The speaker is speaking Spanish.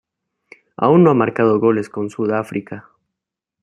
Aún no ha marcado goles con Sudáfrica.